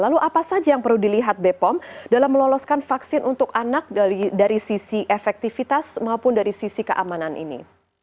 lalu apa saja yang perlu dilihat bepom dalam meloloskan vaksin untuk anak dari sisi efektivitas maupun dari sisi keamanan ini